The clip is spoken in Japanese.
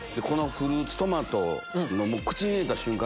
フルーツトマト口に入れた瞬間